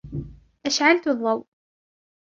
أشعلَت الضوء.